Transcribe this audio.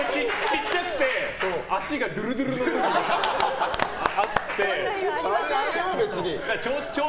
ちっちゃくて足がドゥルドゥルの時があって。